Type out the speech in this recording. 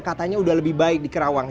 katanya sudah lebih baik di kerawang